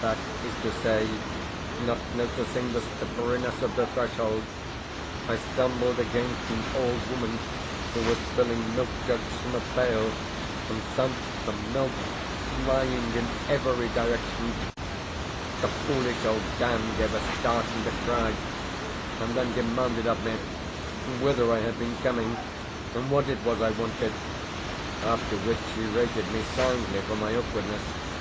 That is to say, not noticing the slipperiness of the threshold, I stumbled against an old woman who was filling milk jugs from a pail, and sent the milk flying in every direction! The foolish old dame gave a start and a cry, and then demanded of me whither I had been coming, and what it was I wanted; after which she rated me soundly for my awkwardness.